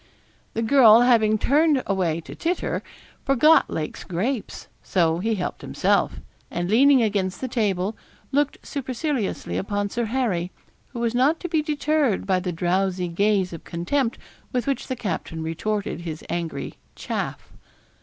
The girl having turned away to titter, forgot Lake's grapes; so he helped himself, and leaning against the table, looked superciliously upon Sir Harry, who was not to be deterred by the drowsy gaze of contempt with which the captain retorted his angry 'chaff.'